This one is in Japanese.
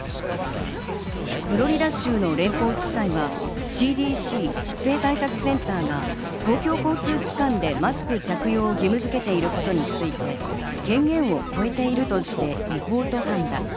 フロリダ州の連邦地裁はＣＤＣ＝疾病対策センターが公共交通機関でマスク着用を義務づけていることについて、権限を超えているとして違法と判断。